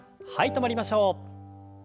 止まりましょう。